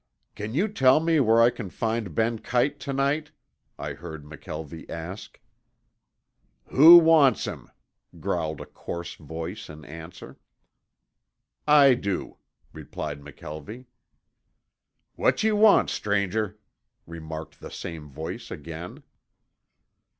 "Can you tell me where I can find Ben Kite to night?" I heard McKelvie ask. "Who wants 'im?" growled a coarse voice in answer. "I do," replied McKelvie. "What you want, stranger?" remarked the same voice again.